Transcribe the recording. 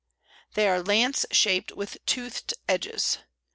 They are lance shaped, with toothed edges.